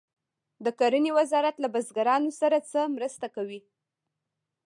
د کرنې وزارت له بزګرانو سره څه مرسته کوي؟